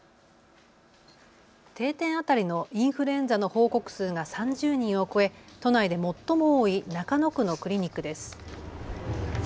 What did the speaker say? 定点当たりのインフルエンザの報告数が３０人を超え都内で最も多い中野区のクリニックです。